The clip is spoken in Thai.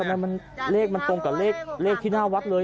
ทำไมเลขมันตรงกับเลขที่หน้าวัดเลย